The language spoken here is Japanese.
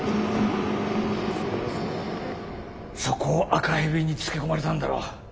そこを赤蛇につけ込まれたんだろ。